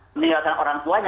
menilai orang tuanya